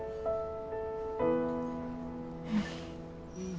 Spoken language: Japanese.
うん。